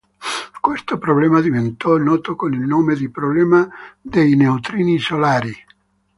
Questo problema diventò noto con il nome di problema dei neutrini solari.